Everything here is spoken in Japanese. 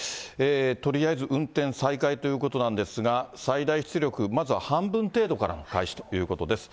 とりあえず運転再開ということなんですが、最大出力、まずは半分程度からの開始ということです。